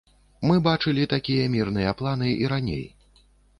Мы бачылі такія мірныя планы і раней.